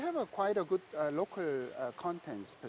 kami memiliki sebagian besar persentase konten lokal